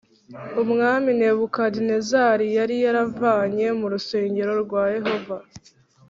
Umwami nebukadinezari yari yaravanye mu rusengero rwa yehova